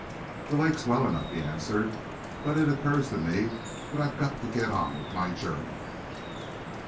"The lake's well enough," he answered, "but it occurs to me that I've got to get on with my journey."